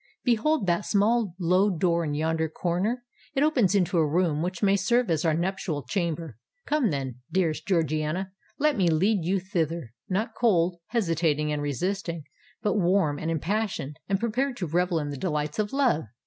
Behold that small low door in yonder corner: it opens into a room which may serve as our nuptial chamber. Come, then, dearest Georgiana—let me lead you thither—not cold, hesitating, and resisting—but warm, and impassioned, and prepared to revel in the delights of love!